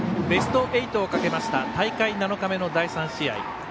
ベスト８をかけました大会７日目の第３試合。